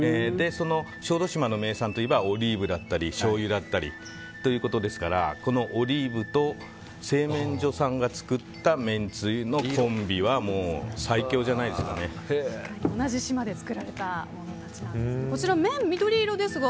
小豆島の名産といえばオリーブだったりしょうゆだったりということですからオリーブと製麺所さんが作っためんつゆのコンビは同じ島で作られたものたちなんですね。